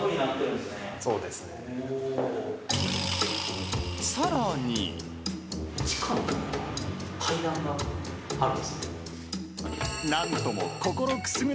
地下に階段があるんですね。